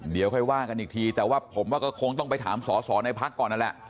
เดี๋ยวค่อยว่ากันอีกทีแต่ว่าผมว่าก็คงต้องไปถามสอสอในพักก่อนนั่นแหละ